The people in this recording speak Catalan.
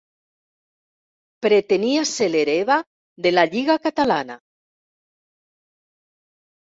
Pretenia ser l'hereva de la Lliga Catalana.